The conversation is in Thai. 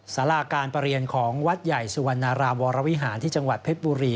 สาราการประเรียนของวัดใหญ่สุวรรณรามวรวิหารที่จังหวัดเพชรบุรี